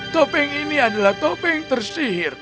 topeng ini adalah topeng tersihir